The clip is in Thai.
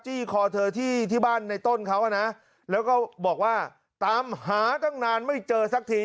คอเธอที่บ้านในต้นเขาอ่ะนะแล้วก็บอกว่าตามหาตั้งนานไม่เจอสักที